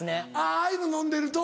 ああいうの飲んでると。